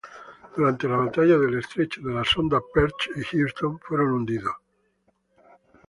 Durante la Batalla del Estrecho de la Sonda "Perth" y "Houston" fueron hundidos.